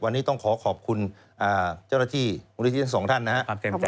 วันนี้ต้องขอขอบคุณเจ้าหน้าที่มูลนิธิทั้งสองท่านนะครับ